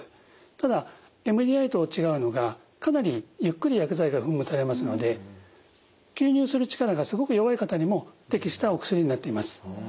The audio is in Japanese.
ただＭＤＩと違うのがかなりゆっくり薬剤が噴霧されますので吸入する力がすごく弱い方にも適したお薬になっています。